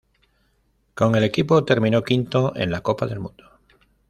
Con el equipo, terminó quinto en la Copa del Mundo.